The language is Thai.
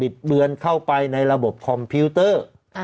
ดเบือนเข้าไปในระบบคอมพิวเตอร์